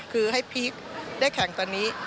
คือให้พีคได้แข่งตอนนี้